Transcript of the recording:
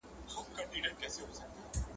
بس یو زه یم یو دېوان دی د ویرژلو غزلونو